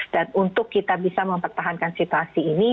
dan untuk kita bisa mempertahankan situasi ini